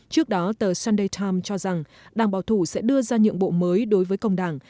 trước đó tờ sunday times cho rằng đảng bảo thủ sẽ đưa ra nhượng bộ mới đối với công đảng